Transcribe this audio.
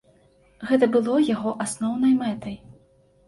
Гэта было яго асноўнай мэтай.